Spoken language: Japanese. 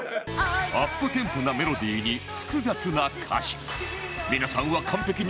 アップテンポなメロディーに複雑な歌詞